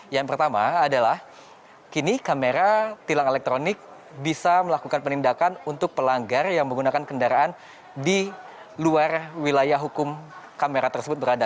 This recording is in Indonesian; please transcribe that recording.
yang pertama adalah kini kamera tilang elektronik bisa melakukan penindakan untuk pelanggar yang menggunakan kendaraan di luar wilayah hukum kamera tersebut berada